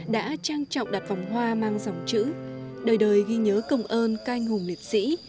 đã trang trọng đặt vòng hoa mang dòng chữ đời đời ghi nhớ công ơn canh hùng liệt sĩ